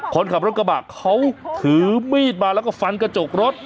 คนขับรถกระบะเขาถือมีดมาแล้วก็ฟันกระจกรถ